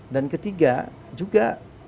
dan ketiga juga